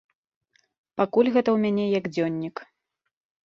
Пакуль гэта ў мяне як дзённік.